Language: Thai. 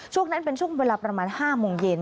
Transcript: ช่วงนั้นเป็นช่วงเวลาประมาณ๕โมงเย็น